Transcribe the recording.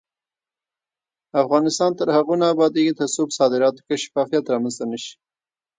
افغانستان تر هغو نه ابادیږي، ترڅو په صادراتو کې شفافیت رامنځته نشي.